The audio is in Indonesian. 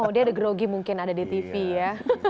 oh dia ada grogi mungkin ada di tv ya